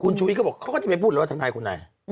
ชุวิตก็บอกเขาก็จะไปพูดเลยว่าทนายคนไหน